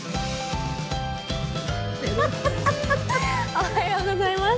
おはようございます！